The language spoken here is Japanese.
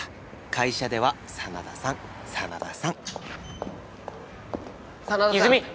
会社では「真田さん」「真田さん」真田さん。